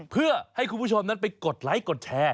เพื่อให้คุณผู้ชมนั้นไปกดไลค์กดแชร์